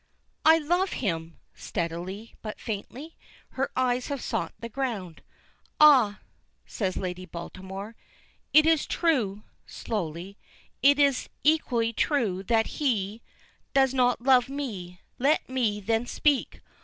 "I love him!" steadily, but faintly. Her eyes have sought the ground. "Ah!" says Lady Baltimore. "It is true" slowly. "It is equally true that he does not love me. Let me then speak.